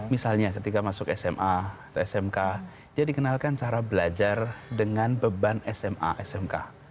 misalnya ketika masuk sma atau smk dia dikenalkan cara belajar dengan beban sma smk